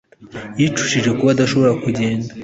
Yicujije kuba adashobora kugenda